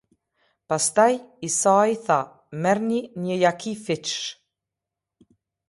Pastaj Isaia tha: "Merrni një jaki fiqsh".